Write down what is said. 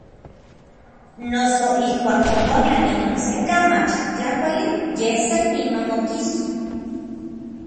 Noso ijkuak okonan inon se kamatl tlakuali, yej san niman okiski.